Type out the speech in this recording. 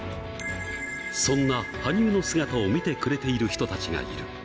そんな羽生の姿を見てくれている人たちがいる。